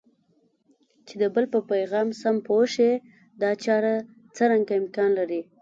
چې د بل په پیغام سم پوه شئ دا چاره څرنګه امکان لري؟